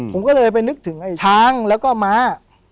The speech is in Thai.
ผมก็เลยไปนึกถึงไอ้ช้างแล้วก็ม้า